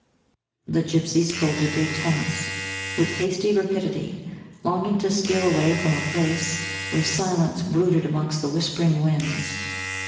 The gypsies folded their tents with hasty rapidity, longing to steal away from a place where silence brooded amongst the whispering winds.